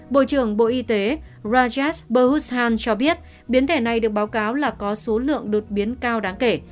bộ trưởng bộ y tế rajas burhushan cho biết biến thể này được báo cáo là có số lượng đột biến cao đáng kể